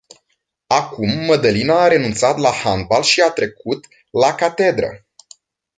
Acum Mădălina a renunțat la handbal și a trecut la catedră.